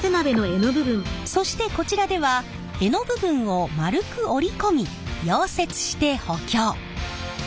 そしてこちらでは柄の部分を丸く折り込み溶接して補強。